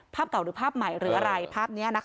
เก่าหรือภาพใหม่หรืออะไรภาพนี้นะคะ